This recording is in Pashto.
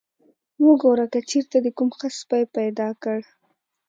وګوره که چېرته دې کوم ښه سپی پیدا کړ.